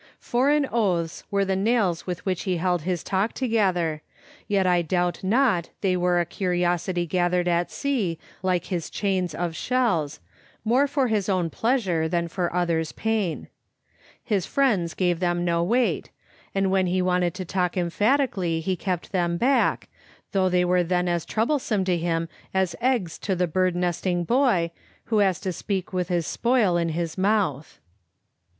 Foreign oaths were the nails with which he held his talk together, yet I doubt not they were a curiosity gathered at sea, like his chains of shells, more for his own pleasure than for others' pain. His friends Digitized by VjOOQ IC tTbe Aahing ot a Afni^ter* 9 ga. Te them no weight, and when he wanted to talk em phatically he kept them back, though they were then as troublesome to him as eggs to the bird nesting boy who has to speak with his spoil in his mouth.